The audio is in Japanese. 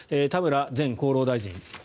田村前厚労大臣。